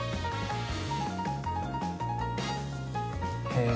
へえ。